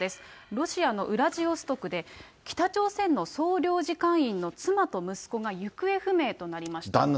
ロシアのウラジオストクで、北朝鮮の総領事館員の妻と息子が行方不明となりました。